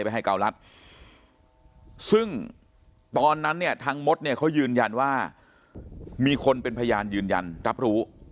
ให้เการัฐซึ่งตอนนั้นเนี่ยทางมดเนี่ยเขายืนยันว่ามีคนเป็นพยานยืนยันรับรู้